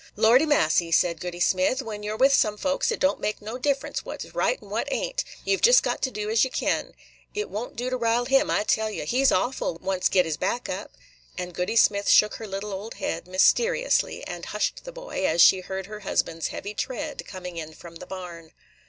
"Lordy massy!" said Goody Smith; "when you 're with some folks, it don't make no difference what 's right and what ain't. You 've jest got to do as ye ken. It won't do to rile him, I tell you. He 's awful, once git his back up." And Goody Smith shook her little old head mysteriously, and hushed the boy, as she heard her husband's heavy tread coming in from the barn.